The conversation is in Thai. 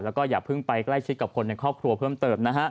แล้วก็อย่าเพิ่งไปใกล้ชิดกับคนในครอบครัวเพิ่มเติมนะฮะ